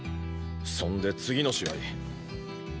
そんで次の試合。